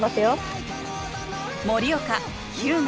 盛岡日向